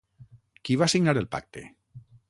Qui va signar el pacte?